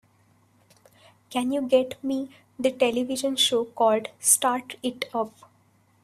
can you get me the television show called Start It Up?